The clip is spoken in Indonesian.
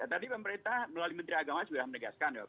tadi pemerintah melalui menteri agama sudah menegaskan